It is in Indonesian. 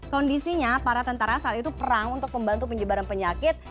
kondisinya para tentara saat itu perang untuk membantu penyebaran penyakit